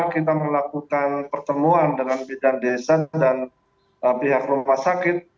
kita melakukan pertemuan dengan bidan desa dan pihak rumah sakit